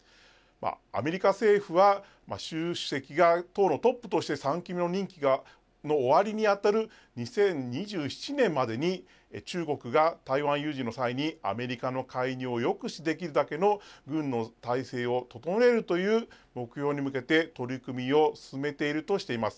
アメリカ政府は習主席が党のトップとして３期目の任期の終わりに当たる２０２７年までに中国が台湾有事の際にアメリカの介入を抑止できるだけの軍の態勢を整えるという目標に向けて取り組みを進めているとしています。